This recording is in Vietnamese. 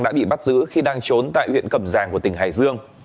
đã bị bắt giữ khi đang trốn tại huyện cầm giàng của tỉnh hải dương